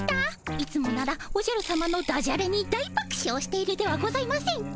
いつもならおじゃるさまのダジャレに大ばくしょうしているではございませんか。